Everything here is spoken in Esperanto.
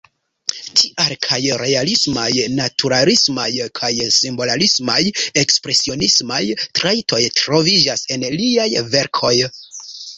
Tial kaj realismaj-naturalismaj kaj simbolismaj-ekspresionismaj trajtoj troviĝas en liaj verkoj.